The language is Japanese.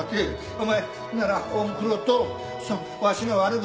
お前ほんならおふくろとわしの悪口